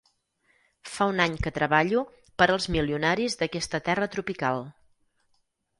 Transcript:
Fa un any que treballo per als milionaris d'aquesta terra tropical.